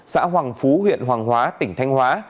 xã hoàng phú huyện hoàng hóa tỉnh thanh hóa